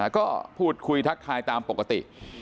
ก็พูดคุยทักทายตามปกติ